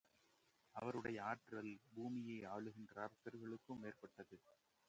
அவருடைய ஆற்றல் பூமியை ஆளுகின்ற அரசர்களுக்கும் மேற்பட்டது.